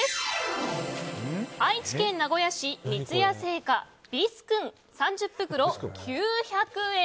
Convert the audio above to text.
愛知県名古屋市、三ツ矢製菓ビスくん、３０袋９００円。